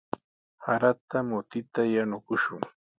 Sarata mutita yanukushun.